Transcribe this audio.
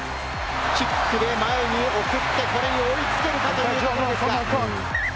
キックで前に送ってこれに追いつけるかというところですが。